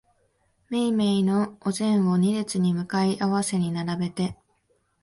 めいめいのお膳を二列に向かい合わせに並べて、